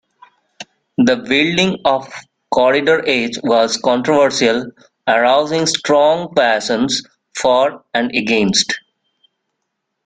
The building of Corridor H was controversial, arousing strong passions for and against.